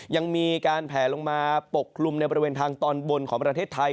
ยังมีการแผลลงมาปกคลุมในบริเวณทางตอนบนของประเทศไทย